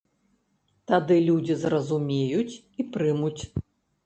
Тады людзі зразумеюць і прымуць.